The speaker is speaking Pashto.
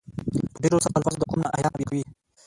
په ډیرو سختو الفاظو د قوم نا اهلان تنبیه کوي.